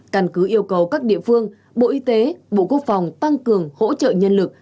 căn cứ yêu cầu các địa phương bộ y tế bộ quốc phòng tăng cường hỗ trợ nhân lực